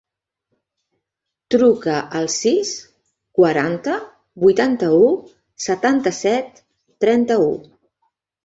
Truca al sis, quaranta, vuitanta-u, setanta-set, trenta-u.